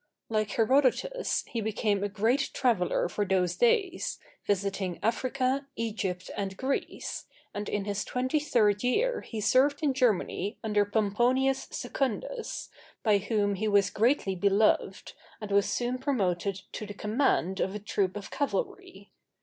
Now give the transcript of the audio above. Like Herodotus he became a great traveller for those days, visiting Africa, Egypt and Greece, and in his twenty third year he served in Germany under Pomponius Secundus, by whom he was greatly beloved, and was soon promoted to the command of a troop of cavalry.